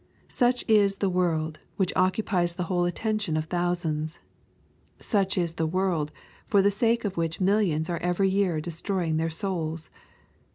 Such is the world, which occupies the whole attention of thousands ! Such is the world, for the sake of which millions are every year destroying their souls